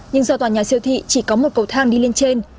nhưng do tòa nhà siêu thị chỉ có một cầu thang đi lên trên